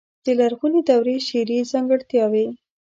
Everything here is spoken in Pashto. د لرغونې دورې شعري ځانګړتياوې.